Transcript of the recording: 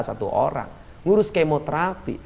satu orang ngurus kemoterapi